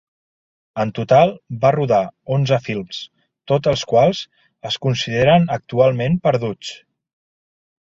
En total va rodar onze films, tots els quals es consideren actualment perduts.